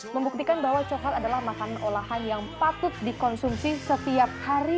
membuktikan bahwa coklat adalah makanan olahan yang patut dikonsumsi setiap hari